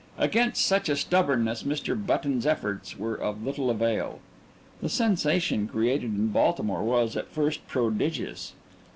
Against such a stubbornness Mr. Button's efforts were of little avail. The sensation created in Baltimore was, at first, prodigious.